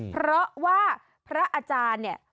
เพราะว่าพระอาจารย์เนี่ย